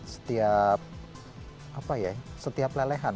setiap apa ya setiap lelehan